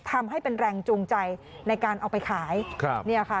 ทำให้เป็นแรงจูงใจในการเอาไปขายครับเนี่ยค่ะ